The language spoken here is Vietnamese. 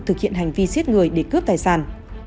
thực hiện hành vi giết người để cướp tài sản